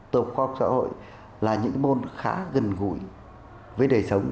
tổ khoa học xã hội là những môn khá gần gũi với đời sống